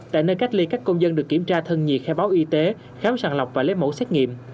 tại nơi cách ly các công dân được kiểm tra thân nhiệt khai báo y tế khám sàng lọc và lấy mẫu xét nghiệm